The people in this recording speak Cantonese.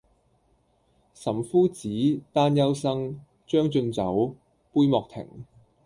岑夫子，丹丘生，將進酒，杯莫停